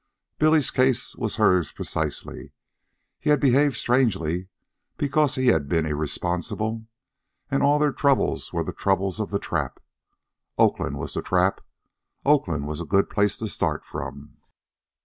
Billy's case was hers precisely. He had behaved strangely because he had been irresponsible. And all their troubles were the troubles of the trap. Oakland was the trap. Oakland was a good place to start from.